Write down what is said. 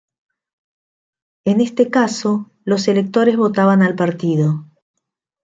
En este caso, los electores votaban al partido.